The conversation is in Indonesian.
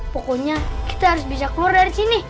pokoknya kita harus bisa keluar dari sini